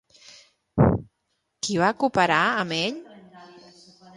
Qui va cooperar amb ell?